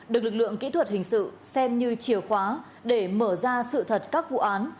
được lực lượng kỹ thuật hình sự xem như chiều khóa để mở ra sự thật các vụ án